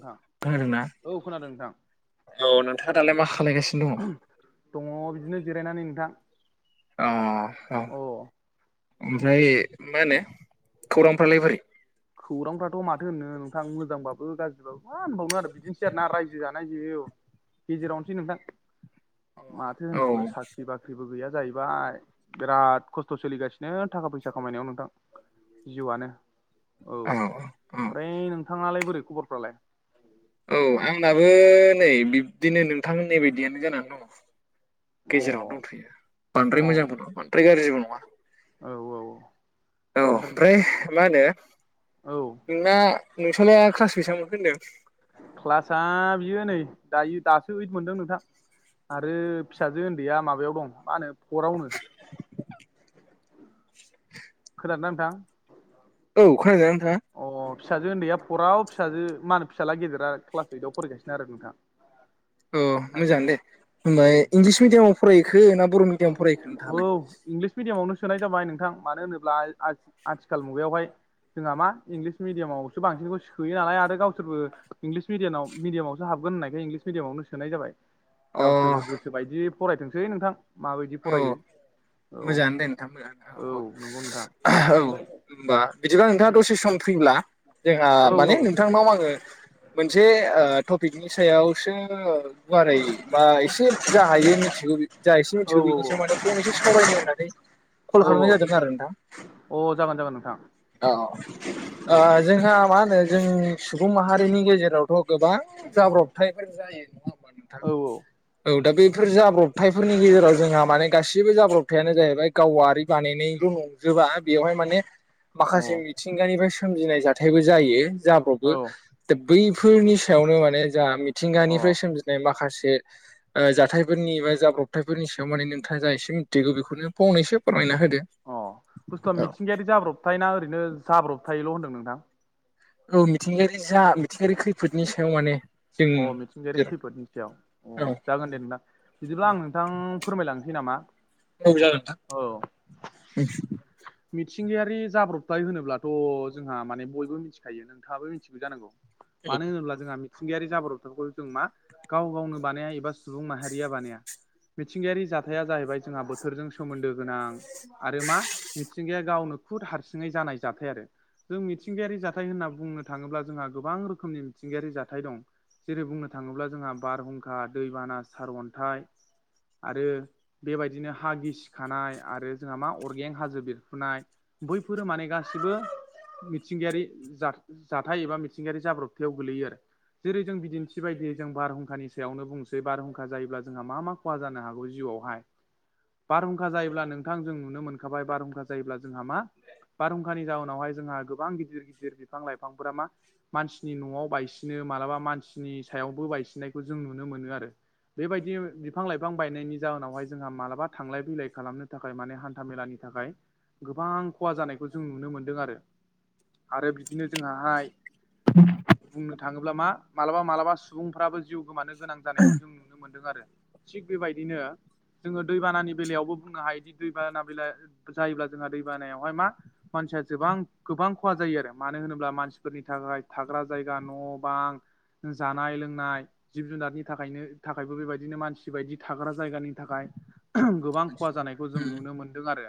नोंथां अखा हादोंना औ खोनादों नोंथां औ नोंथाङा दालाय मा खालायगासिनो दङ? दङ बिदिनो जिरायनानै नोंथां। अ औ अ ओमफ्राय मा होनो खौरांफ्रालाय बोरै? खौरांफ्राथ' माथो होननो नोंथां मोजांबाबो गाज्रि मा होनबावनो आरो बिदिनोसै आरो ना रायजो जानाय जायो औ गेजेरावनोसै नोंथां। औ माथो औ होनबावनो साख्रि बाख ख्रिबो गैया जाहैबाय बिराद खस्थ' सोलिगासिनो थाखा फैसा खामायनायाव नोंथां। जिउआनो। औ। ओमफ्राय नोंथाङालाय बोरै खबरफ्रालाय? औ आंनाबो नै बिब्दिनो नोंथां होननाय बादियानो जाना दं। अ गेजेरावनो दंथ'यो बांद्राय औ मोजांबो नङा बांद्राय गाज्रिबो नङा। औ औ ओमफ्राय मा होनो औ नोंना नोंसालाया ख्लास बेसां मोनखो होनदों क्लासआ बियो नै दायो दासो ओइद मोनदों नोंथां। आरो फिसाजो ओन्दैया माबायाव दं मा होनो फरावनो। [unintelligible] खोनादोंना नोंथां। औ खोनादों ना नोंथाङा? अ अ फिसाजो ओन्दैया फराव फिसाजो मा होनो फिसाला गेदेरा क्लास ओइदआव फरायगासिनो आरो नोंथां। [inaudible] औ दायो। मोजांआनो दे ओमफाय औ इंलिस मिडियामाव फरायखो ना बर' मिडियामाव फरायखो औ नोंथाङालाय? इंलिस मिडियामावनो सोनाय जाबाय नोंथां मानो होनोब्ला आथि-आथिखाल मुगायावहाय जोंहा मा इंलिस मिडियामावसो बांसिनखौ सोयो नालाय आरो गावसोरबो इंलिस मिडियानामाव मिडियावसो हाबगोन होननायखाय इंलिस मिडियावनो सोनाय जाबाय। अ गावसोर गोसो बायदि फरायथोंसै नोंथां माबायदि औ फरायो। औ मोजाङानो दे नोंथां ओ ओ औ। नंगौ नोंथां औ ओमफ्राय होनबा बिदिबा नोंथाङा दसे सम फ्रिब्ला? जोंहा औ माने औ नोंथांनाव आङो मोनसे ओ टपिकनि सायावसो गुवारै बा एसे जा हायो मिथिगो जा एसे औ मिथिगो बेनिसै माने फंनैसे थगायनो होननानै कल औ खालामनाय जादोंमोन आरो नोंथां। अ जागोन जागोन नोंथां। अ ओ औ जोंहा मा होनो जों सुबुं माहारिनि गेजेरावथ'। गोबां जाब्रबथायफोर जायो। नङा होमबा नोंथां? औ औ औ दा बेफोर जाब्रबथायफोरनि गेजेराव जोंहा माने गासिबो जाब्रबथायानो जाहैबाय गावआरि बानायनायल'। जोबा बेवहाय माने अ माखासे मिथिंगानिफ्राय सोमजिनाय जाथायबो जायो जाब्रावबो औ दा बैफोरनि सायावनो माने जा अ मिथिंगानिफ्राय सोमजिनाय माखासे ओ जाथायफोरनि बा जाब्रब थाइफोरनि सायाव माने नोंथाङा जा एसे मिथिगौ बेखौनो फंनैसो फोरमायना होदो। अ बुस्थुआ मिथिंगायारि जाब्र'बथाय ना ओरैनो जाब्र'बथायल' होनदों नोंथां? औ मिथिंगायारि जा मिथिंगायारि खैफोदनि सायाव माने। जों अ मिथिंगायारि खैफोदनि सायाव अ औ जागोन दे नोंथां। बिदिबा आं नोंथां फोरमायलांनोसै नामा? औ जागोन औ नोंथां। मिथिंगायारि जाब्र'बथाय होनोब्लाथ' जोंहा माने बयबो मिथिखायो नोंथाङाबो मिथिगौ जानांगौ। औ मानो होनोब्ला जोंहा मिथिंगायारि जाब्र'बथायखौ जों मा गाव गावनो बानाया एबा सुबुं माहारिया बानाया मिथिंगायारि जाथाया जाहैबाय जोंहा बोथोरजों सोमोन्दो गोनां। आरो मा मिथिंगाया गावनो खुद हारसिङै जानाय जाथाय आरो। जों मिथिंगायारि जाथाय होनना बुंनो थाङोब्ला जोंहा गोबां रोखोमनि मिथिंगायारि जा थाय दं जेरै बुंनो थाङोब्ला जोंहा बारहुंखा, दैबाना, सारअन्थाइ आरो बेबायदिनो हा गिसिखानाय आरो जोंहा मा अरगें हाजो बेरफुनाय बैफोरो माने गासिबो मिथिंगायारि जा जाथाय एबा मिथिंगायारि जाब्र'बथायाव गोलैयो आरो। जेरै जों बिदिन्थि बायदियै जों बारहुंखानि सायावनो बुंसै बारहुंखा जायोब्ला जोंहा मा मा ख'हा जानो हागौ जिउआवहाय बारहुंखा जायोब्ला नोंथां जों नुनो मोनखाबाय बारहुंखा जायोब्ला जोंहा मा बारहुंखानि जाउनावहाय जोंहा गोबां गिदिर गिदिर बिफां लाइफांफोरा मा मानसिनि न'आव बायसिन नो मालाबा मानसिनि सायावबो बायसिननायखौ जों नुनो मोनो आरो बेबायदि बिफां लाइफां बायनायनि जाहोनावहाय जोंहा मालाबा थांलाय फैलाय खालामनो थाखाय माने हान्था मेलानि थाखाय गोबां ख'हा जानायखौ जों नुनो मोनदों आरो आरो बिदिनो जोंहाहाय बुंनो ब्ला मा मालाबा मालाबा सुबुंफ्राबो जिउ गोमानो गोनां जानायखौ जों नुनो मोनदों आरो। थिग बेबायदिनो जोङो दैबानानि बेलायावबो बुंनो हायोदि दैबाना बेला जायोब्ला जोंहा दै बानायावहाय मा मानसिया जोबां-गोबां ख'हा जायो आरो मानो होनोब्ला मानसिफोरनि थाखाय थाग्रा जायगा न' बां जानाय लोंनाय जिब-जुनारनि थाखायनो थाखायबो बेबायदिनो मानसि बायदि थाग्रा जायगानि थाखाय गोबां ख'हा जानायखौ जों उम नुनो मोनदों आरो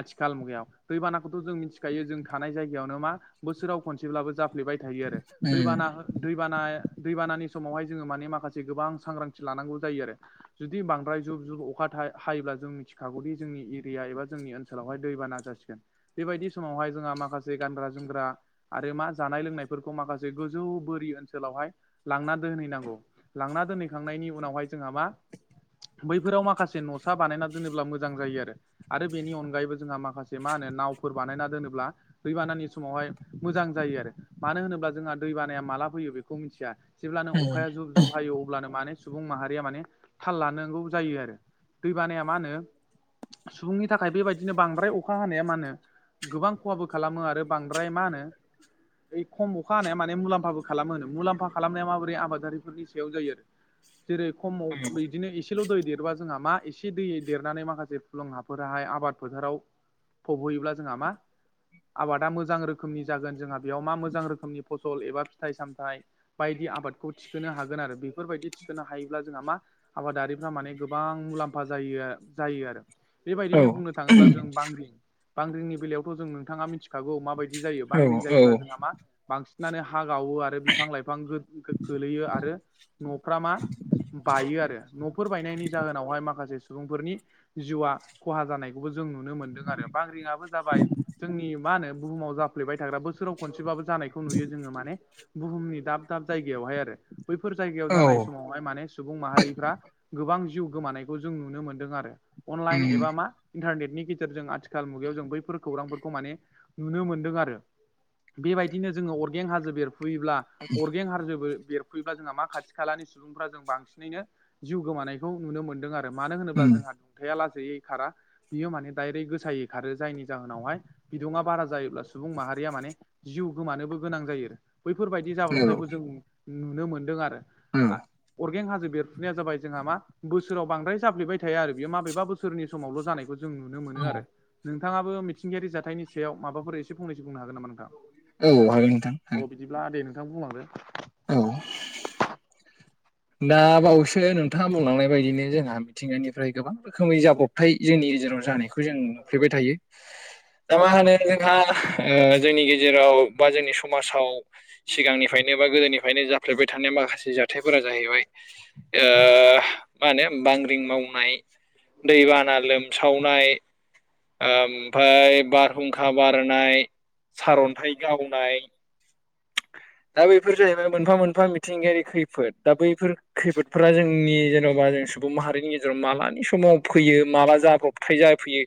आथिखाल मुगायाव। दैबानाखौथ' जों मिथिखायो जों थानाय जायगायावनो मा बोसोराव खनसेब्लाबो जाफ्लेबाय थायो आरो। दैबाना हो दैबाना दैबानानि समावहाय जोङो माने माखासे गोबां सांग्रांथि लानांगौ जायो आरो। जुदि बांद्राय जुब जुब अखाथाय हायोब्ला जों मिथिखागौदि जोंनि एरिया एबा जोंनि ओनसोलावहाय दैबाना जासिगोन। बेबायदि समावहाय जोंहा माखासे गानग्रा जोमग्रा आरो मा जानाय लोंनायफोरखौ माखा जे गोजौ बोरि ओनसोलावहाय लांना दोनहैनांगौ। लांना दोनहैखांनायनि उनावहाय जोंहा मा बैफोराव माखासे न'सा बानायना दोनोब्ला मोजां जायो आरो आरो बेनि अनगायैबो जोंहा माखा से मा होनो नावफोर बानायना दोनोब्ला दैबानानि समावहाय मोजां जायो आरो मानो होनोब्ला जोंहा दै बानाया माला फैयो बेखौ मिथिया जेब्लानो अखाया जुब जुब हायो अब्लानो माने सुबुं माहारिया माने थाल लानांगौ जायो आरो‌। दै बानाया मा होनो सुबुंनि थाखाय बेबायदिनो बांद्राय अखा हानाया मा होनो गोबां ख'हाबो खालामो आरो बांद्राय मा होनो ओइ खम अखा हानाया माने मुलाम्फाबो खालामो होनो मुलाम्फा खालामनाया माबोरै आबादारिफोरनि सायाव जायो आरो। जेरै खमाव बिदिनो एसेल' दै देरबा जोंहा मा एसे दै देरनानै माखासे फुलुं हाफोराहाय आबाद फोथाराव फ'बहैयोब्ला जोंहा मा आबादा मोजां रोखोमनि जागोन जोंहा बेयाव मा मोजां रोखोमनि फसल एबा फिथाइ सामथाइ बायदि आबादखौ थिखोनो हागोन आरो बेफोरबायदि थिखोनो हायोब्ला जोंहा मा आबादारिफ्रा माने गोबां मुलाम्फा जायो आ जायो आरो औ बेबायदिनो बुंनो थाङोब्ला जों बांग्रिं बांग्रिंनि बेलायावथ जों नोंथाङा मिथि खागौ माबायदि जायो बांग्रिं औ औ जायोब्ला जोंहा मा बांसिनानो हा गावो आरो बिफां-लाइफां गो गो गोलैयो आरो न'फ्रा मा बायो आरो न'फोर बायनायनि जाहोनावहाय माखासे सुबुंफोरनि जिउआ खहा जानायखौबो जों नुनो मोनदों आरो बांग्रिंआबो जाबाय जोंनि मा होनो बुहुमाव जाफ्लेबाय थाग्रा बोसोराव खनसेबाबो जानाय खौ नुयो जोङो माने बुहुमनि दाब दाब जायगायावहाय आरो बैफोर जायगायाव औ जानाय समाव बेहाय माने सुबुं माहारिफ्रा गोबां जिउ गोमानायखौ जों नुनो मोन्दों आरो अनलाइन उम एबा मा इन्टारनेटनि गेजेरजों आथिखाल मुगायाव जों बैफोर खौरांफोरखौ माने नुनो मोन्दों आरो बेबायदिनो जोङो अरगें हाजो बेरफुयोब्ला अरगें हाजो बेरफुयोब्ला जोंहा मा खाथि खालानि सुबुंफोरा जों बांसिनैनो जिउ गोमानायखौ नुनो मोनदों आरो मानो होनोब्ला उम जोंहा खुथाया लाजियै खारा बियो माने दाइरेक्ट गोसायै खारो जायनि जाहोनावहाय बिदुङा बारा जायोब्ला सुबुं माहारिया माने जिउ गोमानोबो गोनां जायो बैफोरबायदि औ जाब्रबथायखौ जों नुनो मोनदों आरो औ अरगें हाजो बेरफुनाया जाबाय जोंहा मा बोसोराव बांद्राय जाबफ्लेबाय थायो आरो बेयो माबेबा बोसो सोरनि समावल' जानायखौ जों नुनो मोनो औ आरो नोंथाङाबो मिथिंगायारि जाथायनि सायाव माबाफोर एसे फंनैसो बुंनो हागोन नामा नोंथां औ हागोन नोंथां अ बिदिब्ला दे नोंथां बुंलांदो औ दा बावैसो नों नोंथाङा बुंलांनाय बायदिनो जोंहा मिथिंगानिफ्राय गोबां रोखोमै जाब्रबथाय जोंनि गेजेराव जानायखौ जों नुनो मोनो फ्लेबाय थायो दा मा होनो जोंहा जोंनि गेजेराव बा जोंनि समाजाव सिगांनिफ्रायनो बा गोदोनिफ्रायनो जाफ्लेबाय थानाय माखासे जाथायफोरा जाहैबाय ओ मा होने बांग्रिं मावनाय दैबाना लोमस खावनाय ओमफ्राय बारहुंखा बारनाय सारन्थाइ गावनाय दा बैफोर जाहैबाय मोनफा मोनफा मिथिंगायारि खैफोद दा बैफोर खैफोदफोरा जोंनि जेन'बा जों सुबुं माहारिनि गेजेराव मालानि समाव फैयो माबा जाब्रबथाय जाफैयो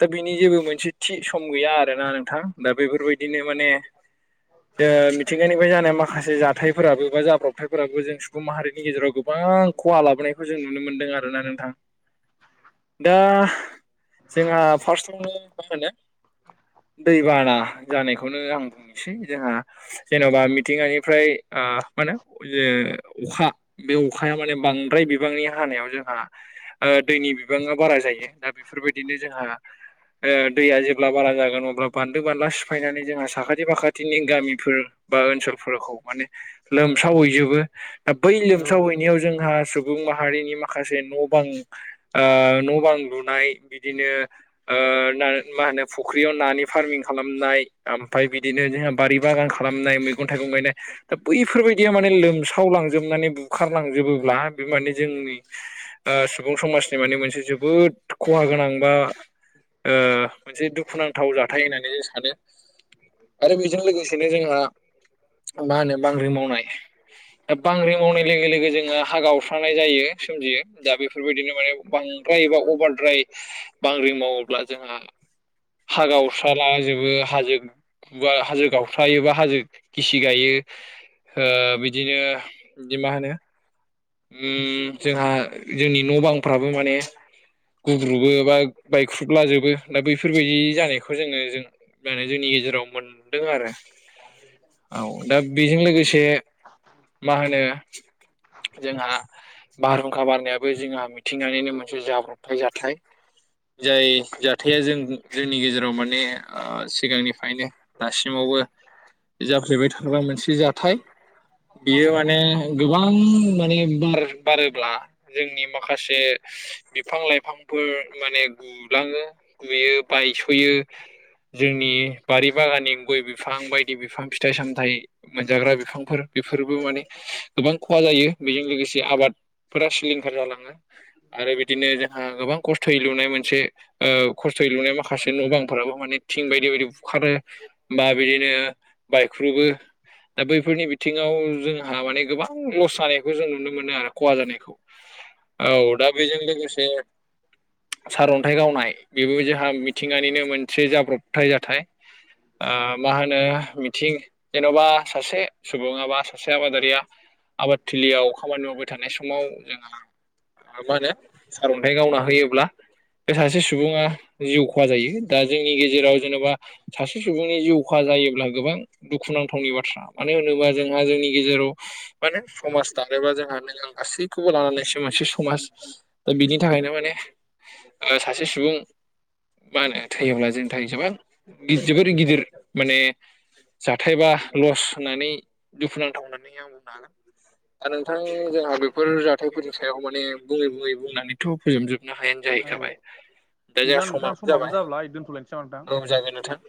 दा बिनि जेबो मोनसे थि सम गैया आरोना नोंथां दा बेफोरबायदिनो माने जो मिथिंगानिफ्राय जानाय माखासे जाथायफोराबो बा जाब्रबथायफोराबो जों सुबुं माहारिनि गेजेराव गोबां खहा लाबोनायखौ जों नुनो मोन्दों आरोना नोंथां दा जोंहा फार्स्टआवनो मा होनो दै बाना जानायखौनो आं बुंनोसै जोंहा जेन'बा मिथिंगानिफ्राय मा होनो अखा बे अखाया माने बांद्राय बिबांनि हानायाव जोंहा ओ दैनि बिबाङा बारा जायो दा बेफोरबायदिनो जोंहा दैया जेब्ला बारा जागोन अब्ला बानदो बानला सिफायनानै जोंहा साखाथि फाखाथिनि गामिफोर बा ओनसोलफोरखौ माने लोमसावहैजोबो दा बै लोमसा औ हैनायाव जोंहा सुबु बुं माहारिनि माखासे न' बां न' बां लुनाय बिदिनो ओ मा होनो फुख्रियाव नानि फार्मिं खालामनाय ओमफ्राय बिदिनो जोंहा बारि बागान खालामनाय मैगं थाइगं गायनाय दा बैफोरबायदिया माने लोमसाव लां जोबनानै बुखारलांजोबोब्ला बे मान जोंनि सुबुं समाज नि मोनसे जोबोद खहा गोनां बा ओ मोनसे दुखुनांथाव जाथाय होननानै जों सानो आरो बेजों लोगोसेनो जोंहा मा होनो बांग्रिं मावनाय दा बांग्रि मावनाय लोगो लोगो जोङो हागावस्रानाय जायो सोमजियो दा बेफोरबायदिनो माने बांद्राय एबा अभारद्राय बांग्रि मावोब्ला जोंहा हा गावस्रालाजोबो हाजो हाजो गावस्रायो बा हाजो गिसि गायो बिदिनो बिदि मा होनो जोंहा जोंनि न' बांफ्राबो माने गुब्रुबो बा बायख्रुबलाजोबो दा बैफोरबायदि जानायखौ जोंङो जों होनानो जोंनि गेजेराव मोन मोनदों आरो [inaudible] औ दा बेजों लोगोसे [inaudible] मा होनो जोंहा बारहुंखा बारनायाबो जोंहा मिथिंगानिनो मोनसे जाब्रबथाय जाथाय जाय जाथाया जों जोंनि गेजेराव माने सिगांनिफ्रायनो दासिमावबो जाफ्लेबाय थाग्रा मोनसे जाथाय बियो माने गोबां माने बार बारोब्ला जोंनि माखासे बिफां लाइफांफोर माने गुलाङो बेयो बायस'यो जोंनि बारि बागाननि गय बिफां बायदि बिफां फिथाइ सामथाइ मोनजाग्रा बिफांफोर बेफोरबो माने गोबां खहा जायो बेजों लोगोसे आबादफोरा सिलिंखार जालाङो आरो बिदिनो जोंहा गोबां खस्थ' यै लुनाय मोनसे खस्थ' लुनाय माखासे न' बांफोराबो माने थिं बायदि बायदि बुखारो बा बिदिनो बायख्रुबो दा बैफोरनि बिथिङाव जोंहा माने गोबां लस जानाय खौ जों नुनो मोनो आरो खहा जानायखौ औ दा बेजों लोगोसे सारन्थाइ गावनाय बेबो जोंहा मिथिंगानिनो मोनसे जाब्रबथाय जाथाय आ मा होनो मि थिं जेन'बा सासे सुबुङा बा सासे आबादारिया आबाद थिलियाव खामानि मावबाय थानाय समाव जोंहा मा होनो सारन्थाइ गावना होयोब्ला बे सासे सुबुङा जिउ खहा जायो दा जोंनि गेजेराव जेनेबा सासे सुबुंनि जिउ खहा जायोब्ला गोबां दुखुनांथावनि बाथ्रा मानो होनोबा जोंहा जोंनि गेजेराव माने समाज दानोबा जोंहा नां गासैखौबो लानानैसो मोनसे समाज दा बिनि थाखायनो माने सासे सुबुं मा होनो थैयोब्ला जोंनि थाखाय जेबां जोबोर गिदिर माने जाथायबा लस होननानै दुखुनांथाव होननानै आं बुंनो हागोन दा नोंथां जोंहा बेफोर जाथायफोरनि सायाव माने बुङै बुङै बुंनानैथ' फोजोबजोबनो हाया औ जाहैखाबाय दा जोंहा बिदिब्ला नोंथां समाबो जाबाय दोनथ'लायनोसै नामा नोंथां औ जागोन नोंथां